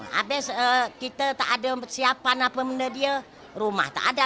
habis kita tak ada siapan apa apa dia rumah tak ada